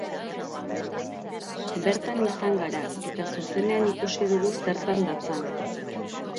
Bertan izan gara, eta zuzenean ikusi dugu zertan datzan.